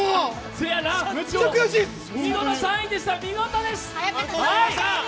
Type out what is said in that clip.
そやな、３位でした、見事です！